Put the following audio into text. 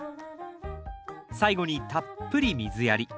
最後にたっぷり水やり。